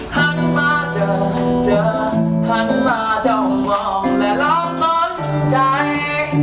หันมาเจอเจอหันมาจ้องมองและร้องโดนใจ